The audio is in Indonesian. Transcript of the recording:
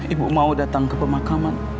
ibu mau datang ke pemakaman